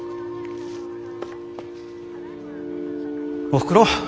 おふくろ？